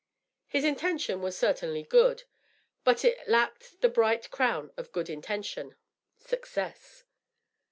His intention was certainly good, but it lacked the bright crown of good intention success.